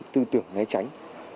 tư tưởng ngay tránh